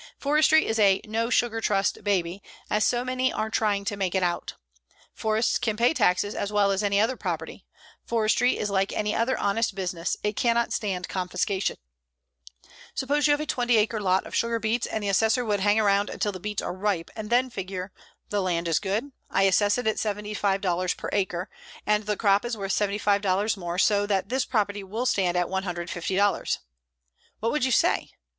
Forestry is no "sugar trust baby," as so many are trying to make it out. Forests can pay taxes as well as any other property. Forestry is like any other honest business, it cannot stand confiscation. Suppose you have a twenty acre lot of sugar beets and the assessor would hang around until the beets are ripe and then figure: "The land is good; I assess it at $75 per acre, and the crop is worth $75 more, so that this property will stand at $150." What would you say?